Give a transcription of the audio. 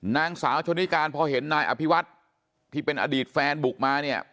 นางสาวชนนิการพอเห็นนายอภิวัฒน์ที่เป็นอดีตแฟนบุกมาเนี่ย